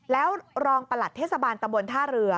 แล้วรองประหลัดเทศบาลตะบนท่าเรือ